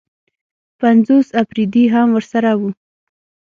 پنځوس اپرېدي هم ورسره وو.